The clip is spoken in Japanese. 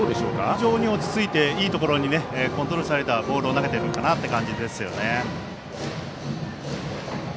非常に落ち着いていいところにコントロールされたボールを投げてくるかなという感じですね。